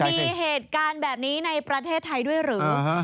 มีเหตุการณ์แบบนี้ในประเทศไทยด้วยหรือ